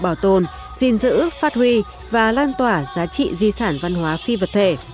bảo tồn gìn giữ phát huy và lan tỏa giá trị di sản văn hóa phi vật thể